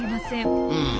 うん。